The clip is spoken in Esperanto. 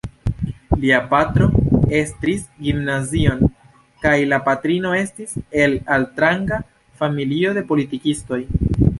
Lia patro estris gimnazion kaj la patrino estis el altranga familio de politikistoj.